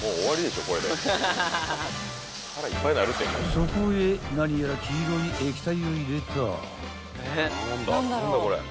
［そこへ何やら黄色い液体を入れた］